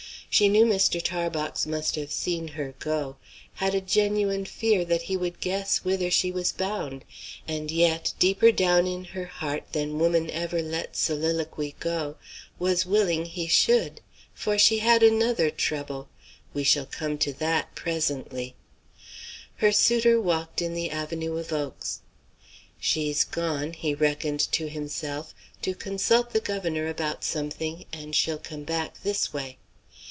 She knew Mr. Tarbox must have seen her go; had a genuine fear that he would guess whither she was bound, and yet, deeper down in her heart than woman ever lets soliloquy go, was willing he should. For she had another trouble. We shall come to that presently. Her suitor walked in the avenue of oaks. "She's gone," he reckoned to himself, "to consult the governor about something, and she'll come back this way."